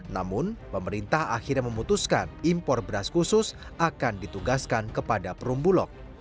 namun pemerintah akhirnya memutuskan impor beras khusus akan ditugaskan kepada perumbulok